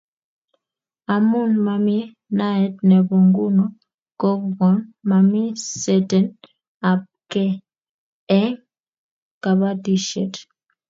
amun mami naet nebo nguno kokogon mami teset ab kee eng kabatishiet